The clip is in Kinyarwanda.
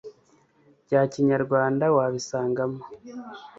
bya kinyarwanda wabisangamo